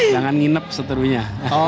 jangan nginep seterunya